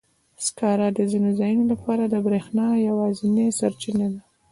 سکاره د ځینو ځایونو لپاره د برېښنا یوازینی سرچینه ده.